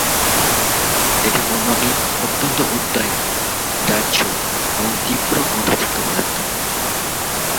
এটি বর্ণহীন, অত্যন্ত উদ্বায়ী, দাহ্য এবং তীব্র গন্ধযুক্ত পদার্থ।